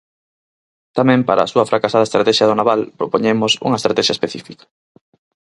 Tamén para a súa fracasada estratexia do naval propoñemos unha estratexia específica.